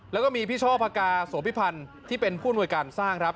แล้วก็มีพี่ช่อพกาโสพิพันธ์ที่เป็นผู้อำนวยการสร้างครับ